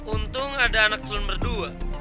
untung ada anak turun berdua